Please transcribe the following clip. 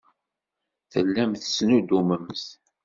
Tellamt tettnuddumemt.